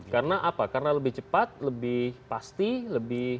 karena apa karena lebih cepat lebih pasti lebih